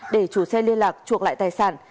để chủ xe liên lạc chuộc lại tài sản